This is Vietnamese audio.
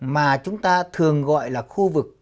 mà chúng ta thường gọi là khu vực